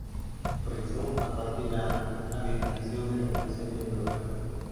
Comenzó a partir la habilitación de la estación de ferrocarril.